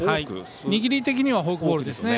握り的にはフォークボールですね。